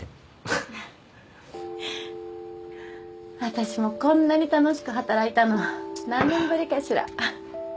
私もこんなに楽しく働いたの何年ぶりかしら。